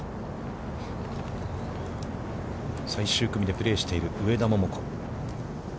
最終組でプレーしている上田桃子。